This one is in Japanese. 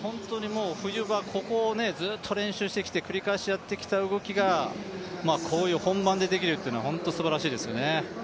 冬場ここをずっと練習してきて繰り返しやってきた動きがこういう本番でできるっていうのは本当にすばらしいですね。